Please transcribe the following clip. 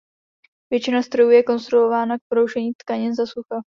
Většina strojů je konstruována k broušení tkanin za sucha.